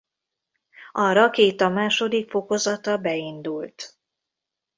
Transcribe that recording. A rakéta második fokozata beindult.